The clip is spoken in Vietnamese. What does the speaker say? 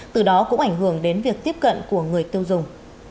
từ đó cũng ảnh hưởng đến việc tiếp cận của người tiêu dùng